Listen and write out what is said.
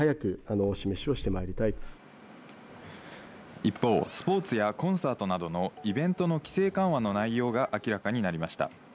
一方、スポーツやコンサートなどのイベントの規制緩和の内容が明らかになりました。